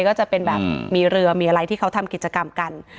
ก็จะเป็นแบบมีเรือมีอะไรที่เขาทำกิจกรรมกัน